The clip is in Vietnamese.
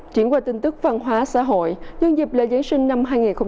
chuyển qua tin tức văn hóa xã hội nhân dịp lễ giáng sinh năm hai nghìn hai mươi